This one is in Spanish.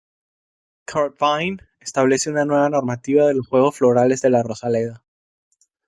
Kurt Wein establece una nueva normativa de los juegos florales de la rosaleda.